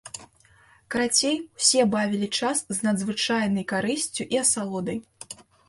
Карацей, усе бавілі час з надзвычайнай карысцю і асалодай.